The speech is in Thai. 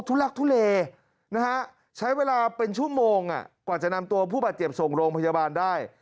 ทุลักทุเลใช้เวลาเป็นชั่วโมงกว่าจะนำตัวผู้บาดเจ็บส่งโรงพยาบาลได้